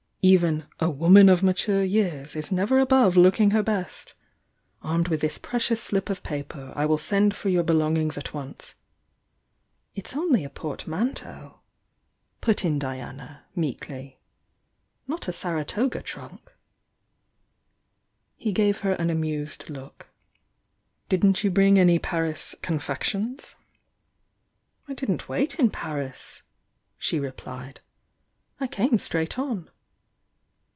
"Even 'a woman of mature years' is never above looking her best! Armed with this precious slip of paper, I will send for your belongings at once " "It's only a portmanteau," put in Diana, meekly. "Not a Saratoga trunk." He gave her an amused look. "Didn't you bring any Paris 'confections'?" "I didn t wait in Paris," she replied. "I came straight on."